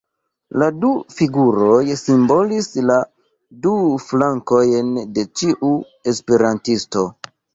La du figuroj simbolis la du flankojn de ĉiu esperantisto.